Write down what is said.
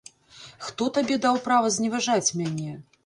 Хто табе даў права зневажаць мяне?